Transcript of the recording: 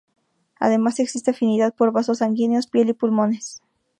Además existe afinidad por vasos sanguíneos, piel y pulmones.